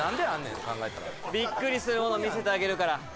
びっくりするもの見せてあげるから。